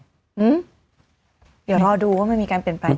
เดี๋ยวรอดูว่ามันมีการเปลี่ยนแปลง